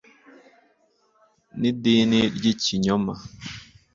n idini ry ikinyoma